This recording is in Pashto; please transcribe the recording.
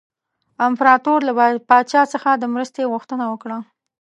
امپراطور له پاچا څخه د مرستې غوښتنه وکړه.